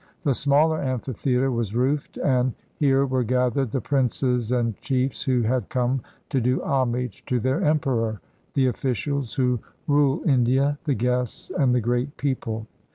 The smaller amphitheater was roofed, and here were gathered the princes and chiefs who had come to do homage to their emperor, the officials who rule India, the guests, and the great people.